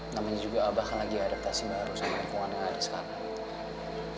namanya juga bahkan lagi adaptasi baru sama lingkungan yang ada sekarang